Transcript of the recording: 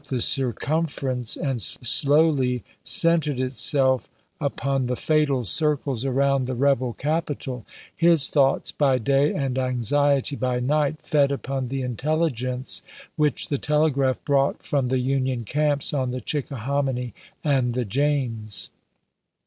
the circumf erencG and slowly centerea itself upon the fatal circles around the rebel capital, his thoughts by day and anxiety by night fed upon 1862. the intelligence which the telegraph brought from the Union camps on the Chickahominy and the James.